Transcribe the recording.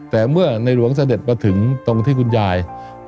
แต่เมื่อในหลวงเสด็จมาถึงตรงที่คุณยาย